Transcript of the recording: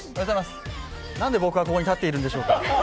なんで僕はここに立っているんでしょうか。